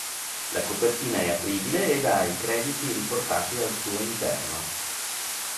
La copertina è apribile ed ha i crediti riportati al suo interno.